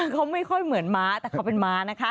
เขาไม่ค่อยเหมือนม้าแต่เขาเป็นม้านะคะ